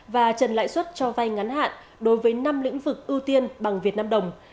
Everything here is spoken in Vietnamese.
và trần lãi suất cho vay ngắn hạn đối với năm lĩnh vực ưu tiên bằng việt nam đồng